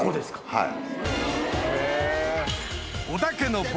はい。